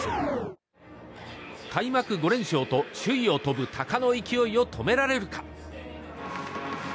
開幕５連勝と首位を飛ぶ鷹の勢いを止められるか。